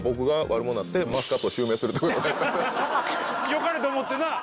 よかれと思ってなぁ。